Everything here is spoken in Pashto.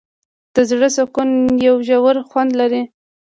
د زړه سکون یو ژور خوند لري.